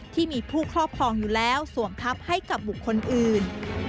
ที่มีผู้ครอบครองอยู่แล้วสวมทัพให้กับบุคคลอื่น